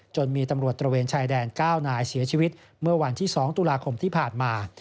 มีตำรวจตระเวนชายแดน๙นายเสียชีวิตเมื่อวันที่๒ตุลาคมที่ผ่านมา